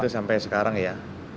itu sampai sekarang ya